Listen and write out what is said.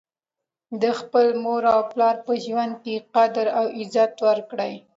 د خپل مور او پلار په ژوند کي قدر او عزت وکړئ